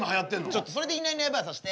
ちょっとそれでいないいないばあさせて。